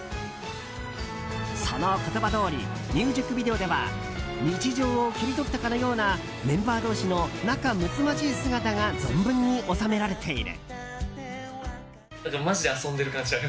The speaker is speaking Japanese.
その言葉どおりミュージックビデオでは日常を切り取ったかのようなメンバー同士の仲むつまじい姿が存分に収められている。